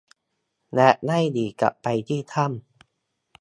และได้หนีกลับไปที่ถ้ำ